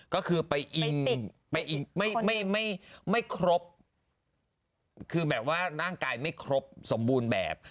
ก็คือไปอิงไม่ครบคือแบบว่าร่างกายไม่ครบสมบูรณ์แบบ